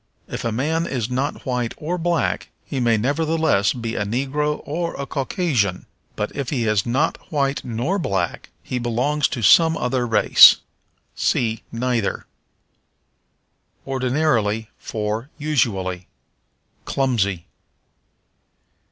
If a man is not white or black he may nevertheless be a Negro or a Caucasian; but if he is not white nor black he belongs to some other race. See Neither. Ordinarily for Usually. Clumsy.